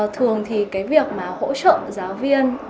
thường thì cái việc mà hỗ trợ giáo viên